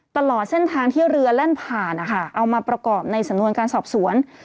ตลอดเส้นทางที่เรือแล่นผ่านนะคะเอามาประกอบในสำนวนการสอบสวน